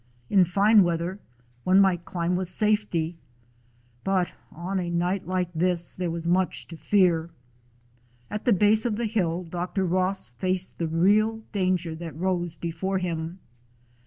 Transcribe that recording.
In fine weather one might climb with safety, but on a night like this there was much to fear. At the base of the hill Dr. Ross faced the real danger that rose before him.